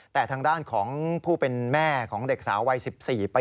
แต่ทางด้านของผู้เป็นแม่ของเด็กสาววัย๑๔ปี